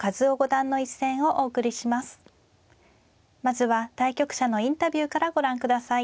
まずは対局者のインタビューからご覧ください。